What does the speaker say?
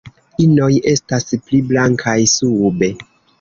Inoj estas pli blankaj sube.